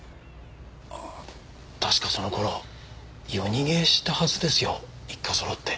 ああ確かその頃夜逃げしたはずですよ一家揃って。